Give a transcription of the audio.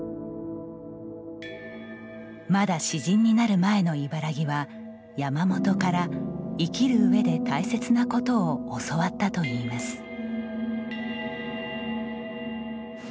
まだ詩人になる前の茨木は山本から生きる上で大切なことを教わったといいます。